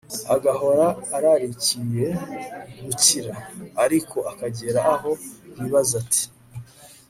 agahora ararikiye gukira! ariko akagera aho yibaza ati